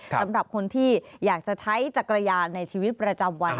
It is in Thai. สำหรับคนที่อยากจะใช้จักรยานในชีวิตประจำวัน